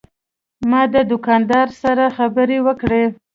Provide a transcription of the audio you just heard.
ما د دوکاندار سره خبرې وکړې.